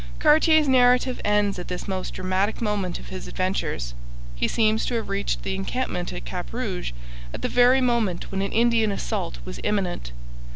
Cartier's narrative ends at this most dramatic moment of his adventures. He seems to have reached the encampment at Cap Rouge at the very moment when an Indian assault was imminent.